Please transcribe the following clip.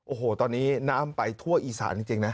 โอ้โหตอนนี้น้ำไปทั่วอีสานจริงนะ